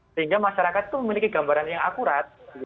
sehingga masyarakat itu memiliki gambaran yang akurat